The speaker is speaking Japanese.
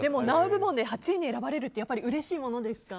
ＮＯＷ部門で８位に選ばれるってうれしいものですか？